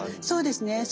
そうですね